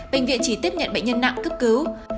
bệnh viện chỉ tiếp nhận bệnh nhân nặng cấp cứu